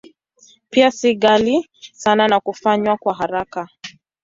Pia si ghali sana na hufanywa kwa haraka.